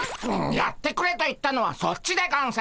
やってくれと言ったのはそっちでゴンス。